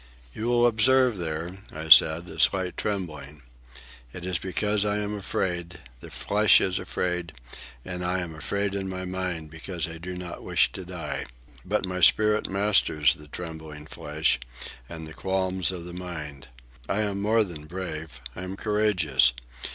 "You will observe there," I said, "a slight trembling. It is because I am afraid, the flesh is afraid; and I am afraid in my mind because I do not wish to die. But my spirit masters the trembling flesh and the qualms of the mind. I am more than brave. I am courageous.